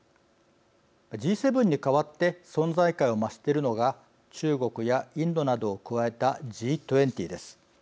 Ｇ７に代わって存在感を増しているのが中国やインドなどを加えたＧ２０です。